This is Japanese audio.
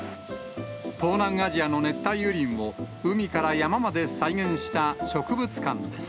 東南アジアの熱帯雨林を海から山まで再現した植物館です。